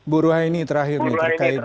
bu ruha ini terakhir terkait